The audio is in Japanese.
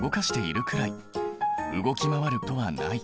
動き回ることはない。